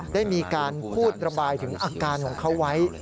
ได้มีการพูดระบายถึงอาการของเขาไว้